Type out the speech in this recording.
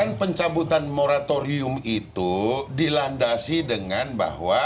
kan pencabutan moratorium itu dilandasi dengan bahwa